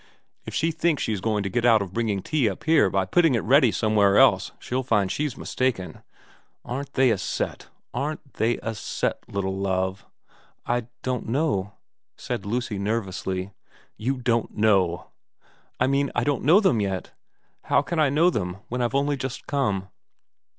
' If she thinks she's going to get out of bringing tea up here by putting it ready somewhere else she'll find she's mistaken. Aren't they a set ? Aren't they a set, little Love ?'' I don't know,' said Lucy nervously. * You don't know !'' I mean, I don't know them yet. How can I know them when I've only just come